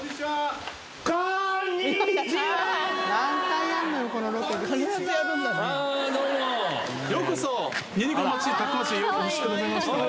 こんにちはあどうもよくお越しくださいました